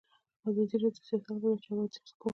ازادي راډیو د سیاست لپاره د چارواکو دریځ خپور کړی.